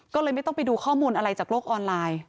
ก็เลยไม่ต้องไปดูข้อมูลอะไรจากโลกออนไลน์